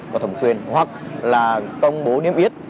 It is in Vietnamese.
có thẩm quyền hoặc là công bố niêm yết